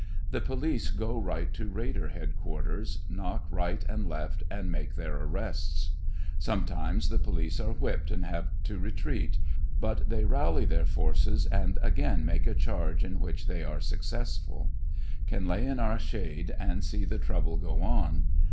The police go right to raider headquarters knock right and left and make their arrests. Sometimes the police are whipped and have to retreat, but they rally their forces and again make a charge in which they are successful. Can lay in our shade and see the trouble go on.